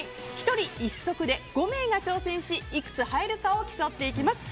１人１足で５名が挑戦しいくつ入るかを競っていきます。